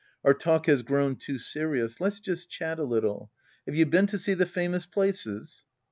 Our talk has grown too serious. Let's just chat a little. Have you been to see the famous places